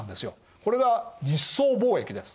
これが日宋交易です。